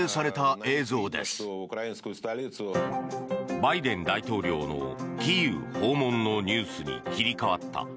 バイデン大統領のキーウ訪問のニュースに切り替わった。